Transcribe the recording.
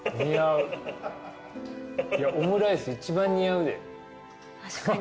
いやオムライス一番似合うで。